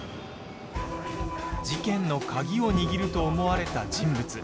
事件の鍵を握ると思われた人物。